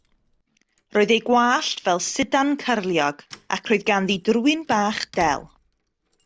Roedd ei gwallt fel sidan cyrliog ac roedd ganddi drwyn bach del.